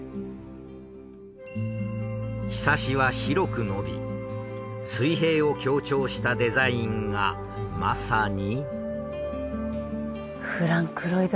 庇は広く伸び水平を強調したデザインがまさに。